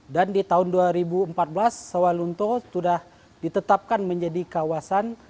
dan di tahun dua ribu empat belas sawalunto sudah ditetapkan menjadi kawasan